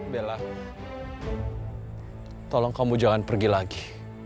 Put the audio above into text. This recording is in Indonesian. bella tolong kamu jangan pergi lagi